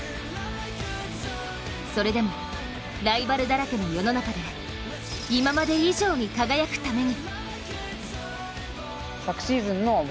それでも、ライバルだらけの世の中で今まで以上に輝くために。